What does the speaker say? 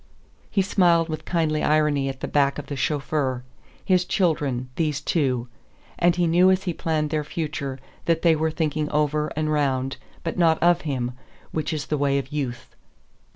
He smiled with kindly irony at the back of the chauffeur. His children, these two; and he knew as he planned their future that they were thinking over and round but not of him, which is the way of youth.